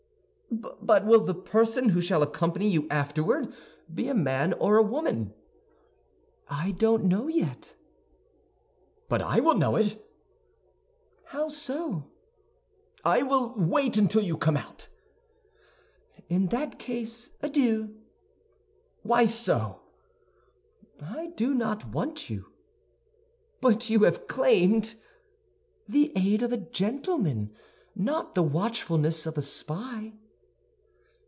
"But will the person who shall accompany you afterward be a man or a woman?" "I don't know yet." "But I will know it!" "How so?" "I will wait until you come out." "In that case, adieu." "Why so?" "I do not want you." "But you have claimed—" "The aid of a gentleman, not the watchfulness of a spy."